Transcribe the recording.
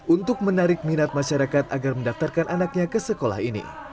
untuk menarik minat masyarakat agar mendaftarkan anaknya ke sekolah ini